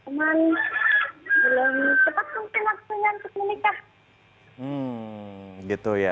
memang belum cepat mungkin waktunya untuk menikah